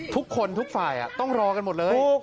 ทุกคนทุกฝ่ายต้องรอกันหมดเลย